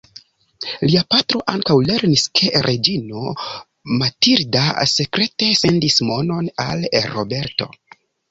Lia patro ankaŭ lernis ke Reĝino Matilda sekrete sendis monon al Roberto.